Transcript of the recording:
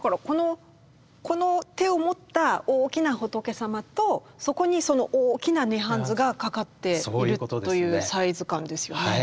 この手を持った大きな仏様とそこにその大きな「涅槃図」が掛かっているというサイズ感ですよね。